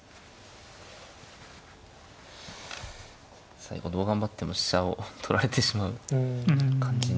最後どう頑張っても飛車を取られてしまう感じに。